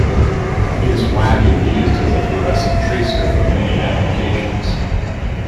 It is widely used as a fluorescent tracer for many applications.